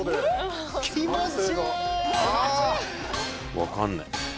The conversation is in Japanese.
分かんない。